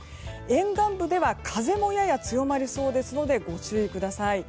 沿岸部では風もやや強まりそうですのでご注意ください。